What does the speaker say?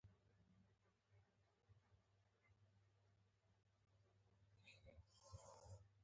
د میوو باغونه د تفریح ځایونه دي.